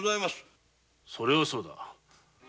それはそうだ。